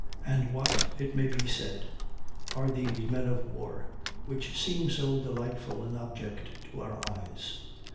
And what, it may be said, are these men of war which seem so delightful an object to our eyes?